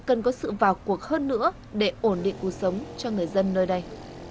cần có sự vào cuộc hơn nữa để ổn định cuộc sống cho người dân nơi đây